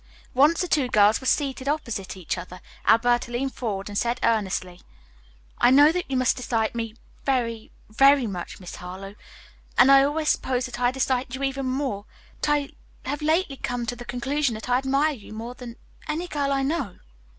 Once the two girls were seated opposite each other, Alberta leaned forward and said earnestly: "I know that you must dislike me very, very much, Miss Harlowe, and I always supposed that I disliked you even more, but I have lately come to the conclusion that I admire you more than any girl I know."